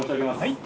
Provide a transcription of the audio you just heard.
はい。